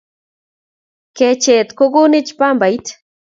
Kecheet ko konech pambait.